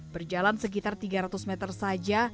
berjalan sekitar tiga ratus meter saja